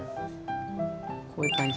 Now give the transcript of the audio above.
こういう感じ。